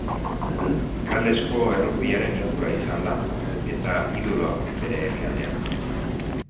Galesko errugbiaren ikurra izan da, eta idoloa bere herrialdean.